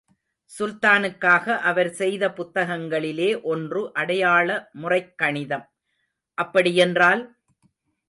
சுல்தானுக்காக அவர் செய்த புத்தகங்களிலே ஒன்று அடையாள முறைக் கணிதம். அப்படி யென்றால்...?